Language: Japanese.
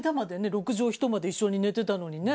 六畳一間で一緒に寝てたのにね。